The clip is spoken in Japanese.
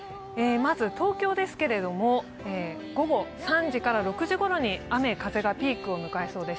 まず東京ですけれども午後３時から６時ごろに雨・風がピークを迎えそうです。